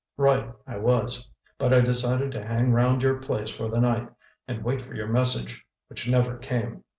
"Right, I was. But I decided to hang round your place for the night and wait for your message—which never came.